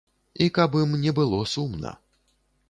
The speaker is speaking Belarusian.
І каб ім не было сумна.